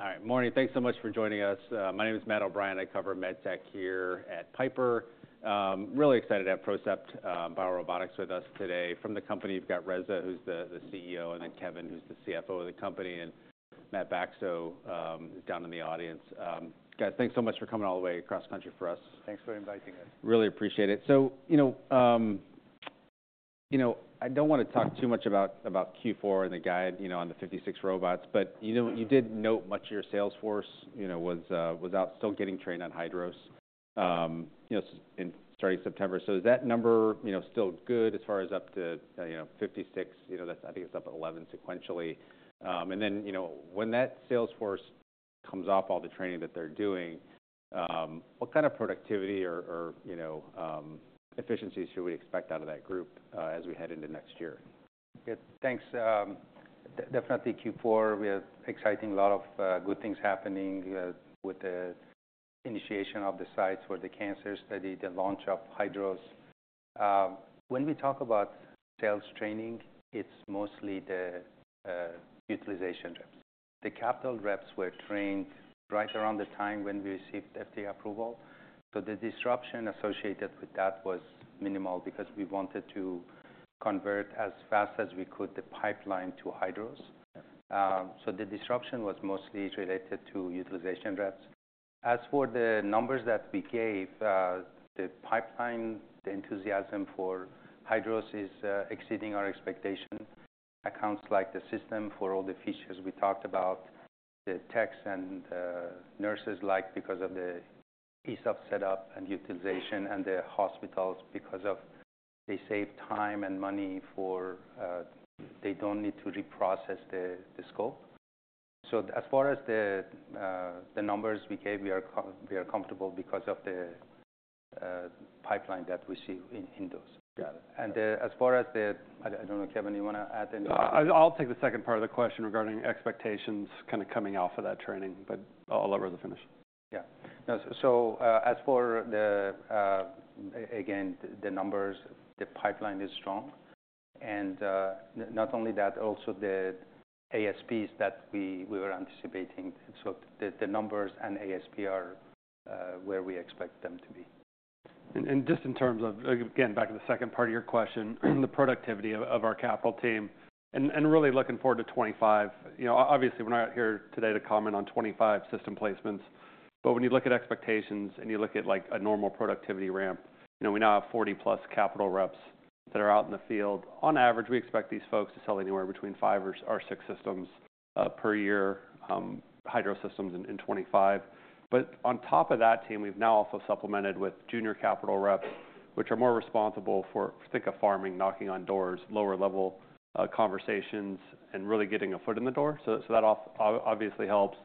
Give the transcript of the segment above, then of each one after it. All right, morning. Thanks so much for joining us. My name is Matt O'Brien. I cover med tech here at Piper. Really excited to have PROCEPT BioRobotics with us today. From the company, you've got Reza, who's the CEO, and then Kevin, who's the CFO of the company, and Matt Bacso is down in the audience. Guys, thanks so much for coming all the way across the country for us. Thanks for inviting us. Really appreciate it. So, you know, I don't want to talk too much about Q4 and the guide on the 56 robots, but you did note much of your sales force was out still getting trained on HYDROS in starting September. So is that number still good as far as up to 56? I think it's up at 11 sequentially. And then when that sales force comes off all the training that they're doing, what kind of productivity or efficiencies should we expect out of that group as we head into next year? Good. Thanks. Definitely Q4, we have exciting a lot of good things happening with the initiation of the sites for the cancer study, the launch of HYDROS. When we talk about sales training, it's mostly the utilization reps. The capital reps were trained right around the time when we received FDA approval. So the disruption associated with that was minimal because we wanted to convert as fast as we could the pipeline to HYDROS. So the disruption was mostly related to utilization reps. As for the numbers that we gave, the pipeline, the enthusiasm for HYDROS is exceeding our expectation. Accounts like the system for all the features we talked about, the techs and nurses like because of the ease of setup and utilization, and the hospitals because they save time and money for they don't need to reprocess the scope. So as far as the numbers we gave, we are comfortable because of the pipeline that we see in those. Got it. As far as the, I don't know, Kevin, you want to add anything? I'll take the second part of the question regarding expectations kind of coming off of that training, but I'll let Reza finish. Yeah. So as for the, again, the numbers, the pipeline is strong. And not only that, also the ASPs that we were anticipating. So the numbers and ASP are where we expect them to be. Just in terms of, again, back to the second part of your question, the productivity of our capital team, and really looking forward to 2025. Obviously, we're not here today to comment on 2025 system placements, but when you look at expectations and you look at a normal productivity ramp, we now have 40-plus capital reps that are out in the field. On average, we expect these folks to sell anywhere between five or six systems per year, HYDROS systems in 2025. But on top of that team, we've now also supplemented with junior capital reps, which are more responsible for, think of farming, knocking on doors, lower-level conversations, and really getting a foot in the door. So that obviously helps.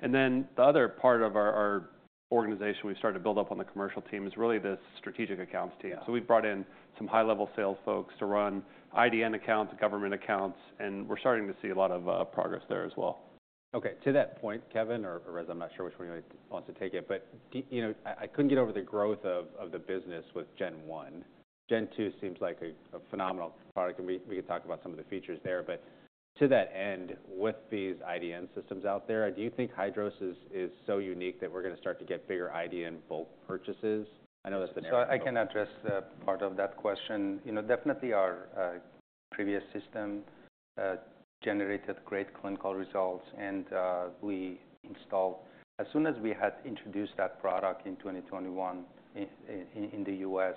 Then the other part of our organization, we've started to build up on the commercial team, is really this strategic accounts team. So we've brought in some high-level sales folks to run IDN accounts, government accounts, and we're starting to see a lot of progress there as well. Okay. To that point, Kevin or Reza, I'm not sure which one you want to take it, but I couldn't get over the growth of the business with Gen 1. Gen 2 seems like a phenomenal product. We could talk about some of the features there. But to that end, with these IDN systems out there, do you think HYDROS is so unique that we're going to start to get bigger IDN bulk purchases? I know that's the narrative. So I can address the part of that question. Definitely, our previous system generated great clinical results, and we installed as soon as we had introduced that product in 2021 in the U.S.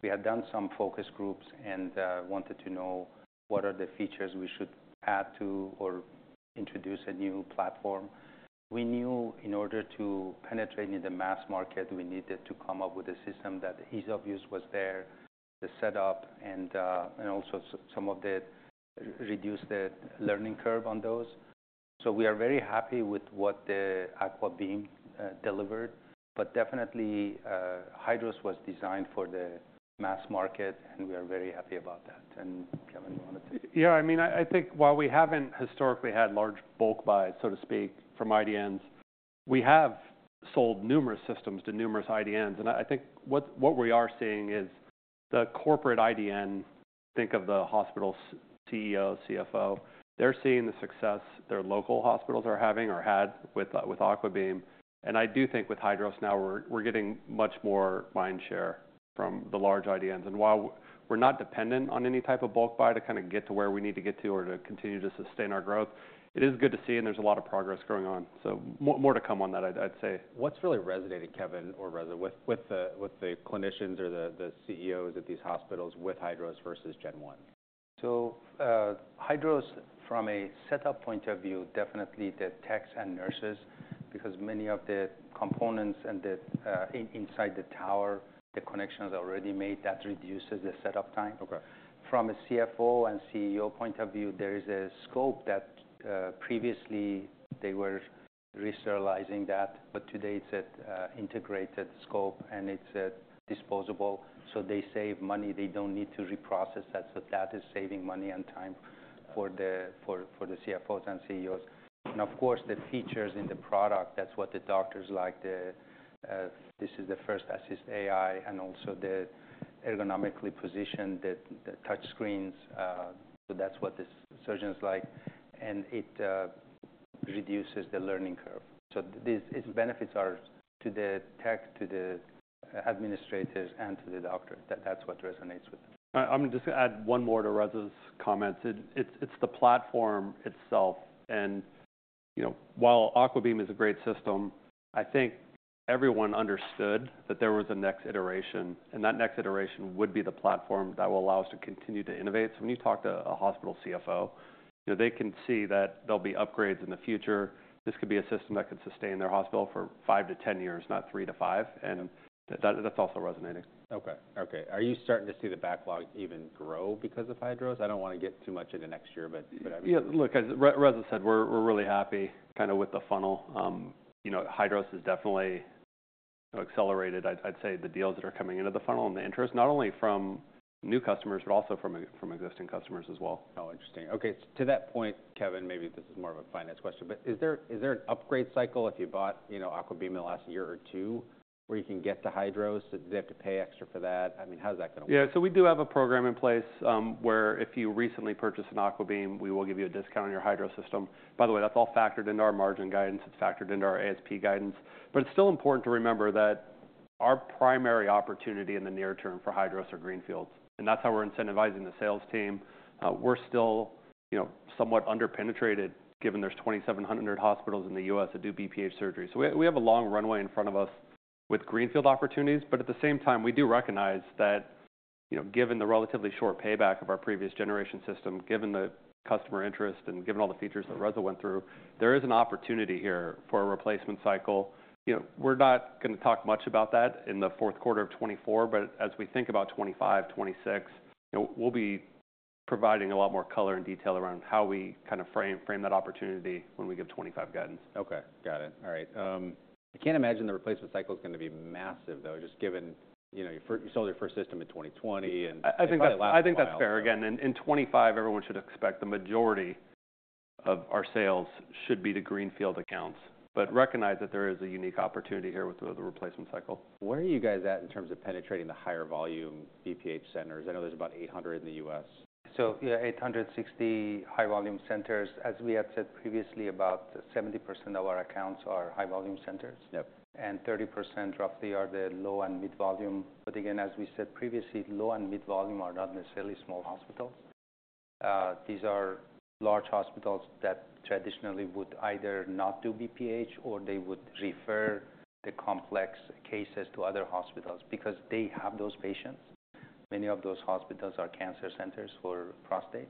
We had done some focus groups and wanted to know what are the features we should add to or introduce a new platform. We knew in order to penetrate in the mass market, we needed to come up with a system that ease of use was there, the setup, and also some of the reduce the learning curve on those. So we are very happy with what the AquaBeam delivered, but definitely HYDROS was designed for the mass market, and we are very happy about that. And Kevin, you want to take it. Yeah. I mean, I think while we haven't historically had large bulk buys, so to speak, from IDNs, we have sold numerous systems to numerous IDNs. And I do think with HYDROS now, we're getting much more mind share from the large IDNs. And while we're not dependent on any type of bulk buy to kind of get to where we need to get to or to continue to sustain our growth, it is good to see, and there's a lot of progress going on. So more to come on that, I'd say. What's really resonating, Kevin or Reza, with the clinicians or the CEOs at these hospitals with HYDROS versus Gen 1? So, HYDROS, from a setup point of view, definitely the techs and nurses, because many of the components inside the tower, the connections are already made, that reduces the setup time. From a CFO and CEO point of view, there is a scope that previously they were re-sterilizing that, but today it's an integrated scope and it's disposable. So they save money. They don't need to reprocess that. So that is saving money and time for the CFOs and CEOs. And of course, the features in the product, that's what the doctors like. This is the FirstAssist AI and also the ergonomically positioned, the touch screens. So that's what the surgeons like. And it reduces the learning curve. So its benefits are to the tech, to the administrators, and to the doctor. That's what resonates with them. I'm just going to add one more to Reza's comments. It's the platform itself, and while AquaBeam is a great system, I think everyone understood that there was a next iteration, and that next iteration would be the platform that will allow us to continue to innovate, so when you talk to a hospital CFO, they can see that there'll be upgrades in the future. This could be a system that could sustain their hospital for five to ten years, not three to five, and that's also resonating. Are you starting to see the backlog even grow because of HYDROS? I don't want to get too much into next year, but. Yeah. Look, as Reza said, we're really happy kind of with the funnel. HYDROS has definitely accelerated, I'd say, the deals that are coming into the funnel and the interest, not only from new customers, but also from existing customers as well. Oh, interesting. Okay. To that point, Kevin, maybe this is more of a finance question, but is there an upgrade cycle if you bought AquaBeam the last year or two where you can get to HYDROS? Do they have to pay extra for that? I mean, how's that going to work? Yeah. So we do have a program in place where if you recently purchase an AquaBeam, we will give you a discount on your HYDROS system. By the way, that's all factored into our margin guidance. It's factored into our ASP guidance. But it's still important to remember that our primary opportunity in the near term for HYDROS are greenfields. And that's how we're incentivizing the sales team. We're still somewhat under-penetrated, given there's 2,700 hospitals in the U.S. that do BPH surgery. So we have a long runway in front of us with greenfield opportunities. But at the same time, we do recognize that given the relatively short payback of our previous generation system, given the customer interest, and given all the features that Reza went through, there is an opportunity here for a replacement cycle. We're not going to talk much about that in the fourth quarter of 2024, but as we think about 2025, 2026, we'll be providing a lot more color and detail around how we kind of frame that opportunity when we give 2025 guidance. Okay. Got it. All right. I can't imagine the replacement cycle is going to be massive, though, just given you sold your first system in 2020 and probably last year or so. I think that's fair. Again, in 2025, everyone should expect the majority of our sales should be to greenfield accounts, but recognize that there is a unique opportunity here with the replacement cycle. Where are you guys at in terms of penetrating the higher volume BPH centers? I know there's about 800 in the U.S. Yeah, 860 high-volume centers. As we had said previously, about 70% of our accounts are high-volume centers. And 30% roughly are the low and mid-volume. But again, as we said previously, low and mid-volume are not necessarily small hospitals. These are large hospitals that traditionally would either not do BPH or they would refer the complex cases to other hospitals because they have those patients. Many of those hospitals are cancer centers for prostate.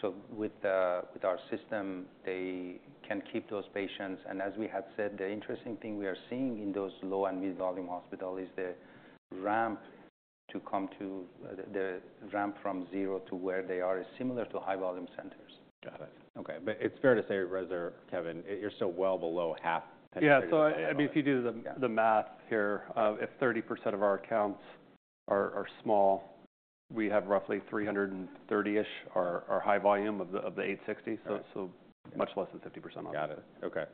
So with our system, they can keep those patients. And as we had said, the interesting thing we are seeing in those low and mid-volume hospitals is the ramp to come to the ramp from zero to where they are is similar to high-volume centers. Got it. Okay, but it's fair to say, Reza, Kevin, you're still well below half penetrating the high-volume. Yeah. So I mean, if you do the math here, if 30% of our accounts are small, we have roughly 330-ish are high volume of the 860. So much less than 50% on that. Got it. Okay.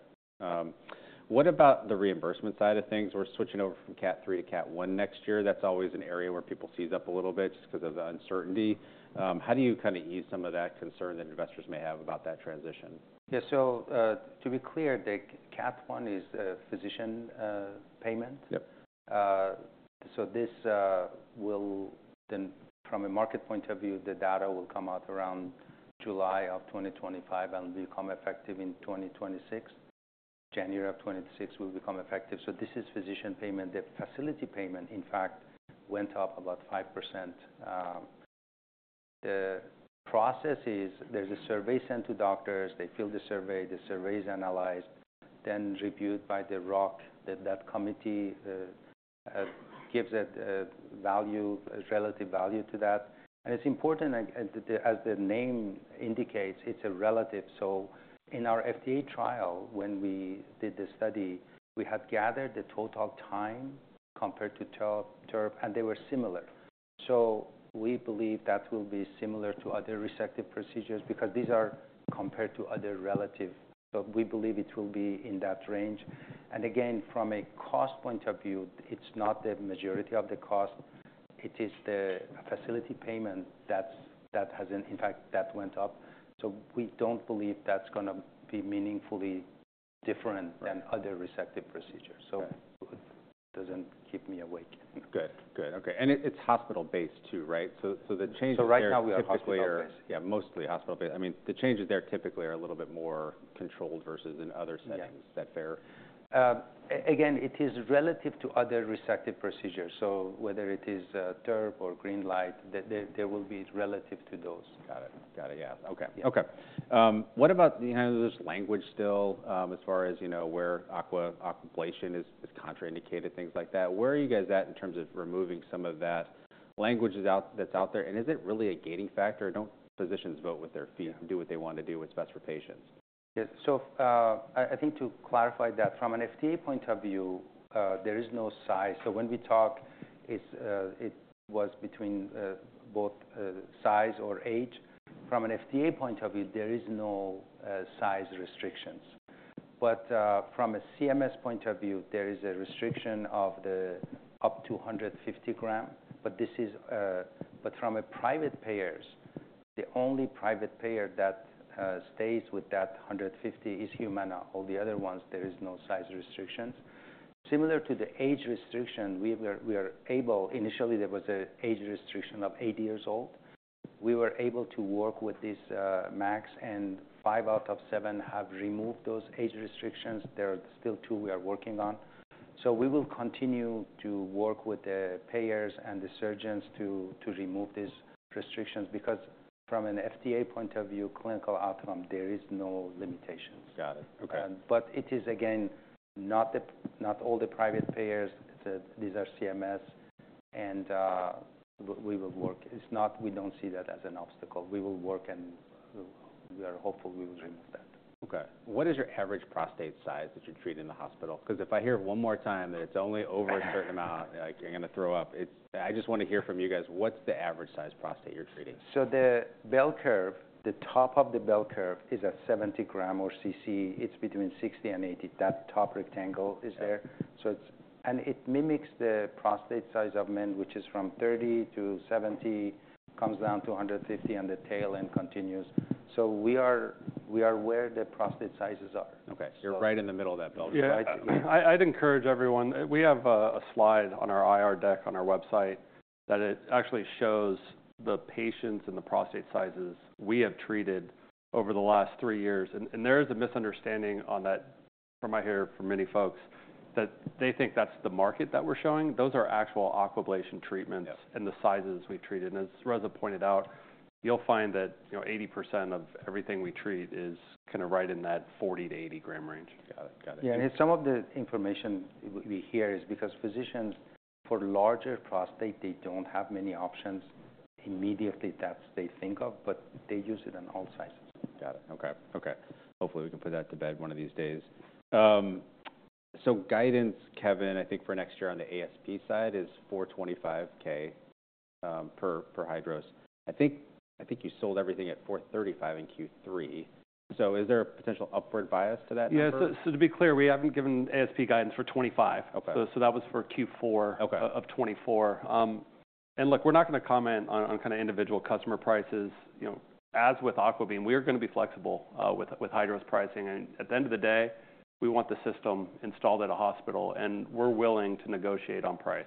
What about the reimbursement side of things? We're switching over from Cat III to Cat I next year. That's always an area where people seize up a little bit just because of the uncertainty. How do you kind of ease some of that concern that investors may have about that transition? Yeah. So to be clear, the Cat I is physician payment. So this will then, from a market point of view, the data will come out around July of 2025 and become effective in 2026. January of 2026 will become effective. So this is physician payment. The facility payment, in fact, went up about 5%. The process is there's a survey sent to doctors. They fill the survey. The survey is analyzed, then reviewed by the RUC, that committee gives a relative value to that. And it's important, as the name indicates, it's a relative. So in our FDA trial, when we did the study, we had gathered the total time compared to TURP, and they were similar. So we believe that will be similar to other resective procedures because these are compared to other relative. So we believe it will be in that range. And again, from a cost point of view, it's not the majority of the cost. It is the facility payment that has, in fact, went up. So we don't believe that's going to be meaningfully different than other resective procedures. So it doesn't keep me awake. Good. Okay. And it's hospital-based too, right? So the changes are typically. So right now, we are hospital-based. Yeah, mostly hospital-based. I mean, the changes there typically are a little bit more controlled versus in other settings. Is that fair? Again, it is relative to other resective procedures, so whether it is TURP or GreenLight, there will be relative to those. Got it. Yeah. Okay. What about kind of this language still as far as where Aquablation is contraindicated, things like that? Where are you guys at in terms of removing some of that language that's out there? And is it really a gating factor? Don't physicians vote with their feet and do what they want to do? It's best for patients. Yeah. So I think to clarify that, from an FDA point of view, there is no size. So when we talk, it was between both size or age. From an FDA point of view, there is no size restrictions. But from a CMS point of view, there is a restriction of up to 150 grams. But from private payers, the only private payer that stays with that 150 is Humana. All the other ones, there is no size restrictions. Similar to the age restriction, we are able initially. There was an age restriction of 80 years old. We were able to work with these MACs, and five out of seven have removed those age restrictions. There are still two we are working on. So we will continue to work with the payers and the surgeons to remove these restrictions because from an FDA point of view, clinical outcome, there are no limitations. Got it. Okay. But it is, again, not all the private payers. These are CMS, and we will work. We don't see that as an obstacle. We will work, and we are hopeful we will remove that. Okay. What is your average prostate size that you're treating in the hospital? Because if I hear one more time that it's only over a certain amount, you're going to throw up. I just want to hear from you guys. What's the average size prostate you're treating? The bell curve, the top of the bell curve is a 70 g or CC. It's between 60 and 80. That top rectangle is there. It mimics the prostate size of men, which is from 30 to 70, comes down to 150 on the tail and continues. We are where the prostate sizes are. Okay, so you're right in the middle of that bell curve. Yeah. I'd encourage everyone. We have a slide on our IR deck on our website that actually shows the patients and the prostate sizes we have treated over the last three years. And there is a misunderstanding on that from what I hear from many folks that they think that's the market that we're showing. Those are actual Aquablation treatments and the sizes we treated. And as Reza pointed out, you'll find that 80% of everything we treat is kind of right in that 40 g-80 g range. Got it. Got it. Yeah. And some of the information we hear is because physicians for larger prostate, they don't have many options immediately that they think of, but they use it on all sizes. Got it. Okay. Hopefully, we can put that to bed one of these days. So guidance, Kevin, I think for next year on the ASP side is $425K per HYDROS. I think you sold everything at $435K in Q3. So is there a potential upward bias to that? Yeah. So to be clear, we haven't given ASP guidance for 2025. So that was for Q4 of 2024. And look, we're not going to comment on kind of individual customer prices. As with AquaBeam, we're going to be flexible with HYDROS pricing. And at the end of the day, we want the system installed at a hospital, and we're willing to negotiate on price.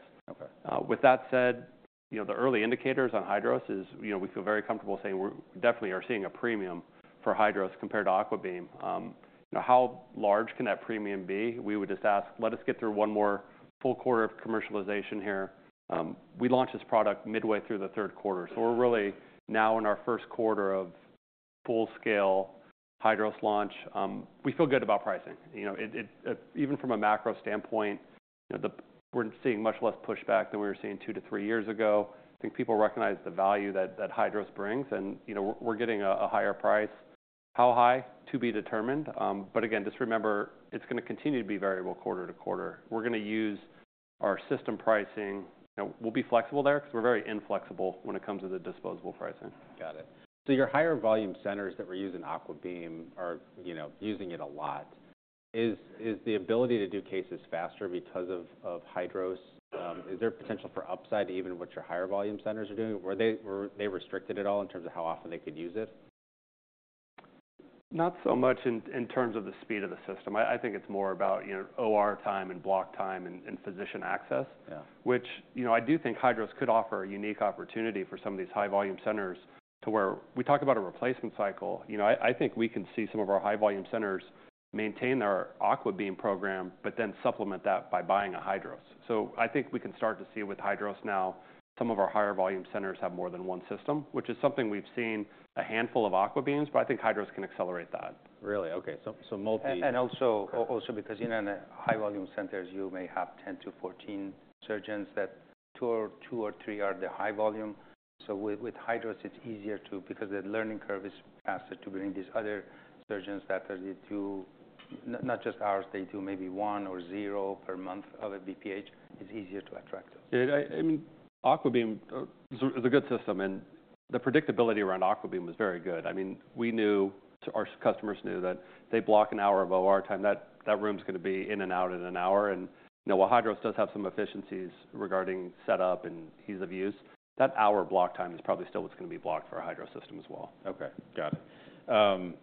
With that said, the early indicators on HYDROS is we feel very comfortable saying we definitely are seeing a premium for HYDROS compared to AquaBeam. How large can that premium be? We would just ask, let us get through one more full quarter of commercialization here. We launched this product midway through the third quarter. So we're really now in our first quarter of full-scale HYDROS launch. We feel good about pricing. Even from a macro standpoint, we're seeing much less pushback than we were seeing two to three years ago. I think people recognize the value that HYDROS brings, and we're getting a higher price. How high? To be determined. But again, just remember, it's going to continue to be variable quarter to quarter. We're going to use our system pricing. We'll be flexible there because we're very inflexible when it comes to the disposable pricing. Got it. So your higher volume centers that were using AquaBeam are using it a lot. Is the ability to do cases faster because of HYDROS? Is there potential for upside to even what your higher volume centers are doing? Were they restricted at all in terms of how often they could use it? Not so much in terms of the speed of the system. I think it's more about OR time and block time and physician access, which I do think HYDROS could offer a unique opportunity for some of these high-volume centers to where we talk about a replacement cycle. I think we can see some of our high-volume centers maintain their AquaBeam program, but then supplement that by buying a HYDROS. So I think we can start to see with HYDROS now, some of our higher volume centers have more than one system, which is something we've seen a handful of AquaBeams, but I think HYDROS can accelerate that. Really? Okay. So multi. And also, because in a high-volume center, you may have 10-14 surgeons that two or three are the high volume, so with HYDROS, it's easier because the learning curve is faster to bring these other surgeons that are too not just ours. They do maybe one or zero per month of a BPH. It's easier to attract those. I mean, AquaBeam is a good system, and the predictability around AquaBeam was very good. I mean, we knew our customers knew that they block an hour of OR time. That room's going to be in and out in an hour. And while HYDROS does have some efficiencies regarding setup and ease of use, that hour block time is probably still what's going to be blocked for a HYDROS system as well. Okay. Got it.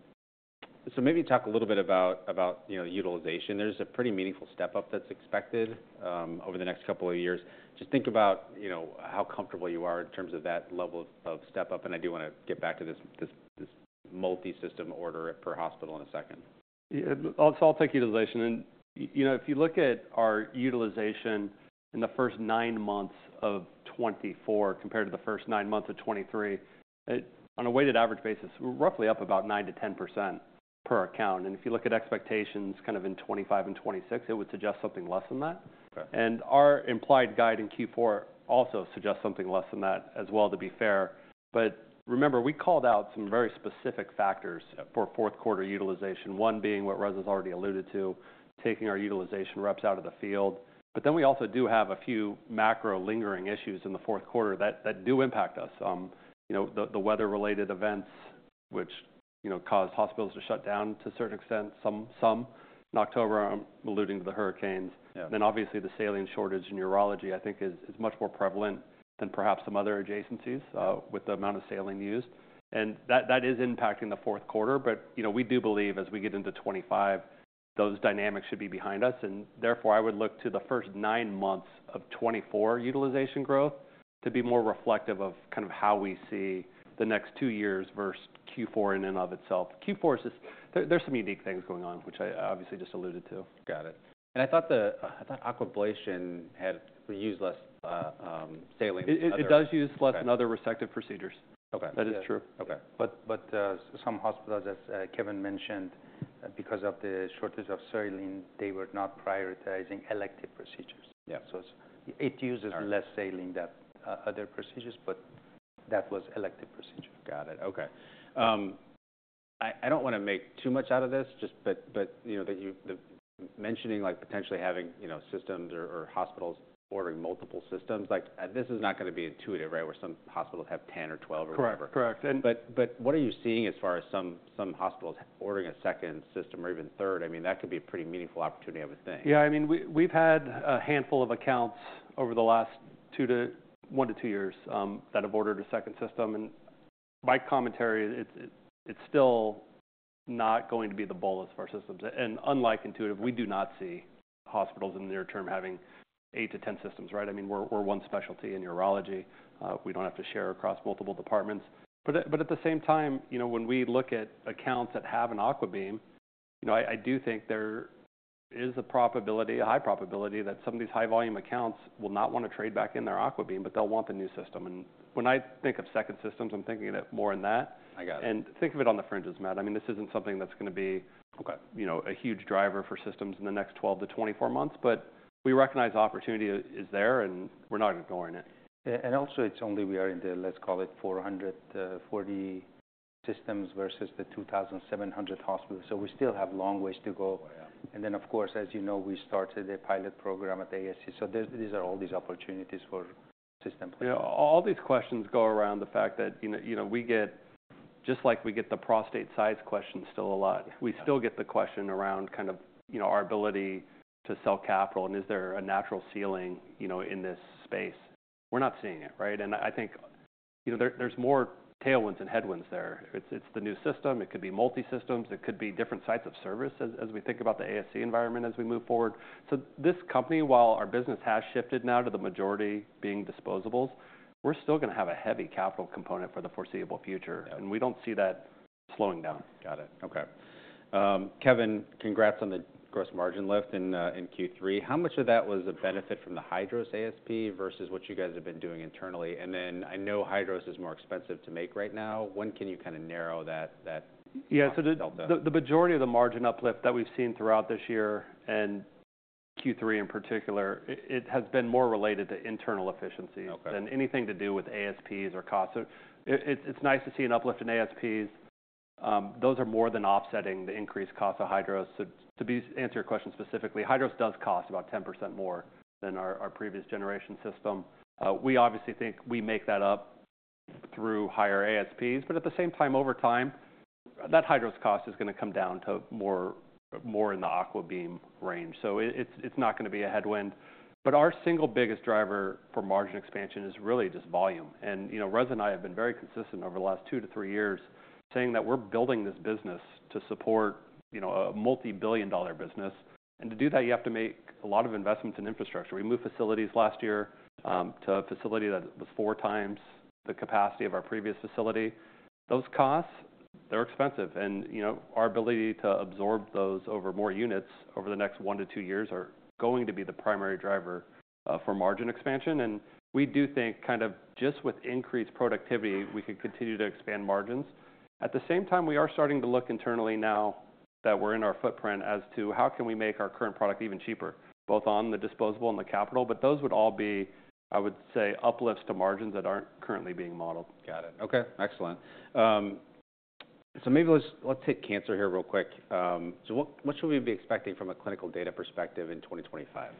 So maybe talk a little bit about utilization. There's a pretty meaningful step-up that's expected over the next couple of years. Just think about how comfortable you are in terms of that level of step-up. And I do want to get back to this multi-system order per hospital in a second. Yeah. So I'll take utilization. And if you look at our utilization in the first nine months of 2024 compared to the first nine months of 2023, on a weighted average basis, we're roughly up about 9%-10% per account. And if you look at expectations kind of in 2025 and 2026, it would suggest something less than that. And our implied guide in Q4 also suggests something less than that as well, to be fair. But remember, we called out some very specific factors for fourth quarter utilization, one being what Reza has already alluded to, taking our utilization reps out of the field. But then we also do have a few macro lingering issues in the fourth quarter that do impact us, the weather-related events, which caused hospitals to shut down to a certain extent, some in October. I'm alluding to the hurricanes. Then obviously, the saline shortage in urology, I think, is much more prevalent than perhaps some other adjacencies with the amount of saline used. And that is impacting the fourth quarter. But we do believe as we get into 2025, those dynamics should be behind us. And therefore, I would look to the first nine months of 2024 utilization growth to be more reflective of kind of how we see the next two years versus Q4 in and of itself. Q4, there's some unique things going on, which I obviously just alluded to. Got it. And I thought Aquablation had used less saline. It does use less than other resective procedures. That is true. But some hospitals that Kevin mentioned, because of the shortage of saline, they were not prioritizing elective procedures. So it uses less saline than other procedures, but that was elective procedure. Got it. Okay. I don't want to make too much out of this, but mentioning potentially having systems or hospitals ordering multiple systems, this is not going to be intuitive, right, where some hospitals have 10 or 12 or whatever. Correct. Correct. But what are you seeing as far as some hospitals ordering a second system or even third? I mean, that could be a pretty meaningful opportunity, I would think. Yeah. I mean, we've had a handful of accounts over the last one to two years that have ordered a second system, and my commentary, it's still not going to be the boldest of our systems, and unlike Intuitive, we do not see hospitals in the near term having 8-10 systems, right? I mean, we're one specialty in urology. We don't have to share across multiple departments, but at the same time, when we look at accounts that have an AquaBeam, I do think there is a high probability that some of these high-volume accounts will not want to trade back in their AquaBeam, but they'll want the new system, and when I think of second systems, I'm thinking of it more in that. I got it. And think of it on the fringes, Matt. I mean, this isn't something that's going to be a huge driver for systems in the next 12 months-24 months, but we recognize the opportunity is there, and we're not ignoring it. And also, it's only we are in the, let's call it, 440 systems versus the 2,700 hospitals. So we still have a long way to go. And then, of course, as you know, we started a pilot program at the ASC. So these are all these opportunities for system placement. Yeah. All these questions go around the fact that we get, just like we get the prostate size question still a lot. We still get the question around kind of our ability to sell capital, and is there a natural ceiling in this space? We're not seeing it, right, and I think there's more tailwinds and headwinds there. It's the new system. It could be multi-systems. It could be different sites of service as we think about the ASC environment as we move forward, so this company, while our business has shifted now to the majority being disposables, we're still going to have a heavy capital component for the foreseeable future, and we don't see that slowing down. Got it. Okay. Kevin, congrats on the gross margin lift in Q3. How much of that was a benefit from the HYDROS ASP versus what you guys have been doing internally? And then I know HYDROS is more expensive to make right now. When can you kind of narrow that delta? Yeah. So the majority of the margin uplift that we've seen throughout this year and Q3 in particular, it has been more related to internal efficiency than anything to do with ASPs or costs. So it's nice to see an uplift in ASPs. Those are more than offsetting the increased cost of HYDROS. To answer your question specifically, HYDROS does cost about 10% more than our previous generation system. We obviously think we make that up through higher ASPs. But at the same time, over time, that HYDROS cost is going to come down to more in the AquaBeam range. So it's not going to be a headwind. But our single biggest driver for margin expansion is really just volume. And Reza and I have been very consistent over the last two to three years saying that we're building this business to support a multi-billion dollar business. And to do that, you have to make a lot of investments in infrastructure. We moved facilities last year to a facility that was four times the capacity of our previous facility. Those costs, they're expensive. And our ability to absorb those over more units over the next one to two years are going to be the primary driver for margin expansion. And we do think kind of just with increased productivity, we can continue to expand margins. At the same time, we are starting to look internally now that we're in our footprint as to how can we make our current product even cheaper, both on the disposable and the capital. But those would all be, I would say, uplifts to margins that aren't currently being modeled. Got it. Okay. Excellent. So maybe let's take cancer here real quick. So what should we be expecting from a clinical data perspective in 2025? Yeah.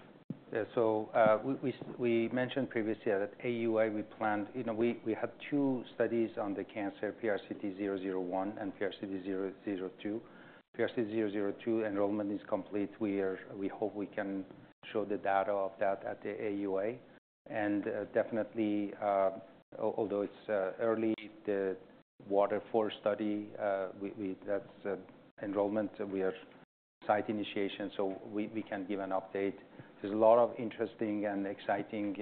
So we mentioned previously that AUA, we planned we had two studies on the cancer, PRCT-001 and PRCT-002. PRCT-002 enrollment is complete. We hope we can show the data of that at the AUA. And definitely, although it's early, the WATER IV study, that's enrollment. We are site initiation. So we can give an update. There's a lot of interesting and exciting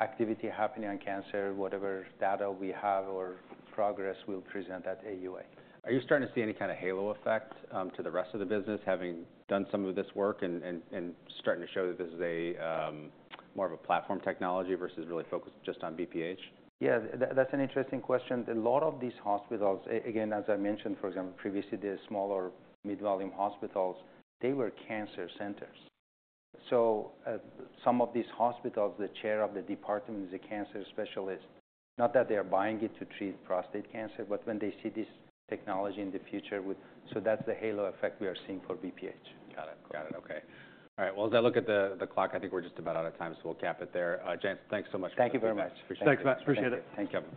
activity happening on cancer. Whatever data we have or progress, we'll present at AUA. Are you starting to see any kind of halo effect to the rest of the business having done some of this work and starting to show that this is more of a platform technology versus really focused just on BPH? Yeah. That's an interesting question. A lot of these hospitals, again, as I mentioned, for example, previously, the smaller mid-volume hospitals, they were cancer centers. So some of these hospitals, the chair of the department is a cancer specialist. Not that they're buying it to treat prostate cancer, but when they see this technology in the future, so that's the halo effect we are seeing for BPH. Got it. Got it. Okay. All right. Well, as I look at the clock, I think we're just about out of time. So we'll cap it there. Jens, thanks so much for coming in. Thank you very much. Thanks, Matt. Appreciate it. Thank you.